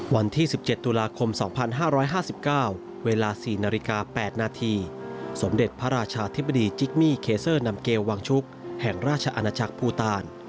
วันที่๑๗ตุลาคม๒๕๕๙เวลา๔นาฬิกา๘นาทีสมเด็จพระราชาธิบดีจิกมี่เคเซอร์นำเกลวังชุกแห่งราชอาณาจักรภูตาล